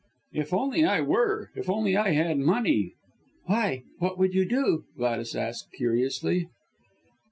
"If only I were. If only I had money!" "Why, what would you do?" Gladys asked curiously.